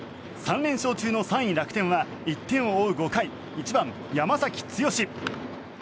３連勝中の３位、楽天は１点を追う５回１番、山崎剛。